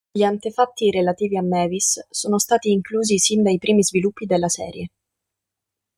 Gli antefatti relativi a Mavis sono stati inclusi sin dai primi sviluppi della serie.